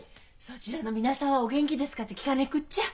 「そちらの皆さんはお元気ですか」って聞かねくっちゃ！